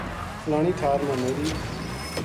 فلانی ٹھار ما میری